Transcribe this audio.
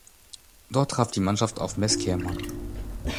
Dort traf die Mannschaft auf Mes Kerman.